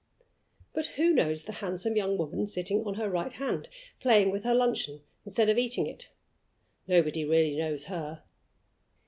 But who knows the handsome young woman sitting on her right hand, playing with her luncheon instead of eating it? Nobody really knows her.